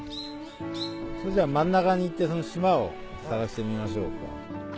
それじゃあ真ん中に行ってその島を探してみましょうか。